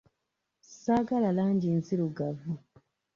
Saagala langi nzirugavu.